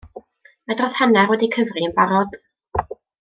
Mae dros hanner wedi'u cyfri yn barod.